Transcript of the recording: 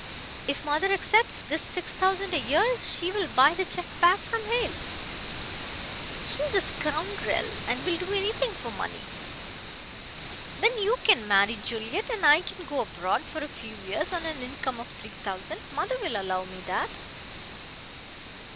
If mother accepts this six thousand a year, she will buy the check back from Hale. He's a scoundrel and will do anything for money. Then you can marry Juliet, and I can go abroad for a few years on an income of three thousand. Mother will allow me that."